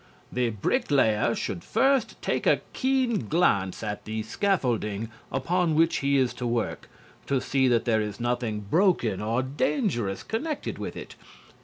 "The bricklayer should first take a keen glance at the scaffolding upon which he is to work, to see that there is nothing broken or dangerous connected with it....